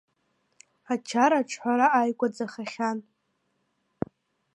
Ачара аҿҳәара ааигәаӡахахьан.